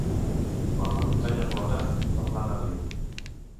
Quan la muntanya plora, la plana riu.